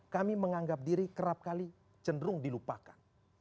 kami menganggap diri kerap kali cenderung dilupakan